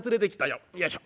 よいしょ。